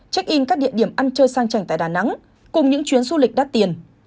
check in các địa điểm ăn chơi sang trành tại đà nẵng cùng những chuyến du lịch đắt tiền